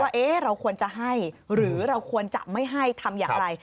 ว่าเราควรจะให้หรือเราควรจะไม่ให้ทำอย่างไร